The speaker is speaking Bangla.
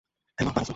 হ্যালো, পারাসু।